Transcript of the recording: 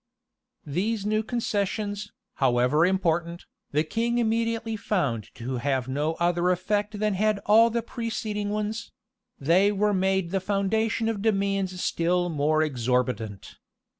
[] These new concessions, however important, the king immediately found to have no other effect than had all the preceding ones: they were made the foundation of demands still more exorbitant.